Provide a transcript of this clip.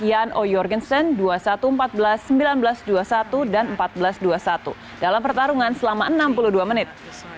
yan o jorgensen dua puluh satu empat belas sembilan belas dua puluh satu dan empat belas dua puluh satu dalam pertarungan selama enam puluh dua menit